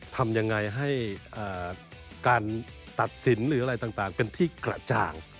ทำยังไงให้การตัดสินหรืออะไรต่างเป็นที่กระจ่าง